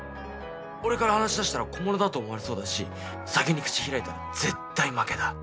俺から話し出したら小物だと思われそうだし先に口開いたら絶対負けだ